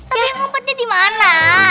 tapi ngumpetnya di mana